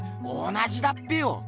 同じだっぺよ！